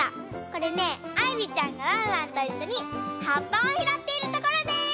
これねあいりちゃんがワンワンといっしょにはっぱをひろっているところです！